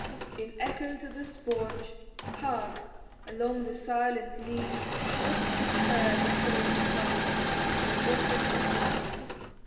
In echo to the sponge, Hark! along the silent lee, Oft is heard the solemn plunge, In the bosom of the sea.